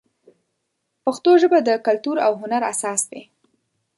پښتو ژبه د کلتور او هنر اساس دی.